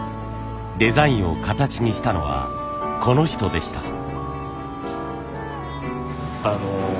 デザインを形にしたのはこの人でした。